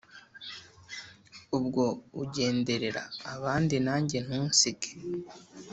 Ubwo ugenderera abandi najye ntusige